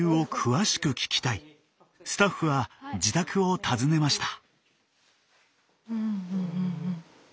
スタッフは自宅を訪ねました。